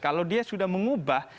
kalau dia sudah mengubah